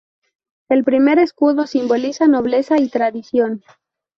El primer escudo simbolizaba nobleza y tradición.